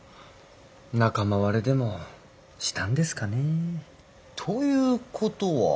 仲間割れでもしたんですかねえ？ということは。